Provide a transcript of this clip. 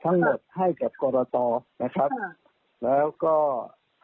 ทั้งหมดให้กับกรตนะครับแล้วก็